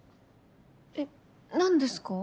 えっ何ですか？